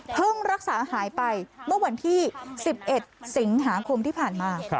รักษาหายไปเมื่อวันที่๑๑สิงหาคมที่ผ่านมา